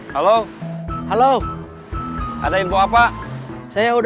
yang lebih baik api dan rp satu triliun